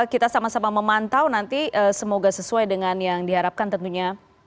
kita sama sama memantau nanti semoga sesuai dengan yang diharapkan tentunya